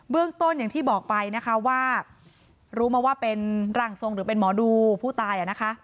เรื่องต้นอย่างที่บอกไปนะคะว่ารู้มาว่าเป็นร่างทรงหรือเป็นหมอดูผู้ตาย